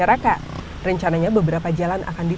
bagaimana perjalanan ini